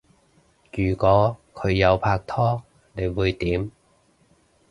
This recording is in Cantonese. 如果佢有拍拖你會點？